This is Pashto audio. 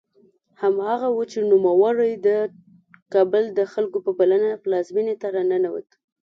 هماغه و چې نوموړی د کابل د خلکو په بلنه پلازمېنې ته راننوت.